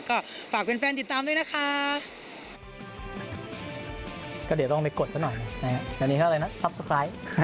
ก็ฝากแฟนติดตามด้วยนะคะ